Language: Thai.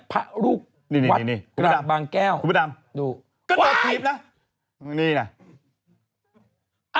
พระลูกวัดกราบบางแก้วนี่นี่นี่นี่คุณผู้ดำคุณผู้ดำดู